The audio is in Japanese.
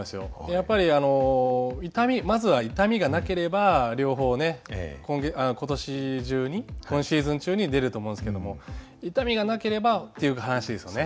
やっぱり痛みまずは痛みがなければ両方ね今年中に今シーズン中に出ると思うんですけれども痛みがなければっていう話ですよね。